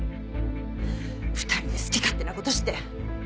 ２人で好き勝手な事して！